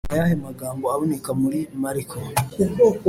Ni ayahe magambo aboneka muri Mariko